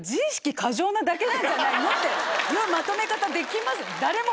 なんじゃないの？っていうまとめ方できます。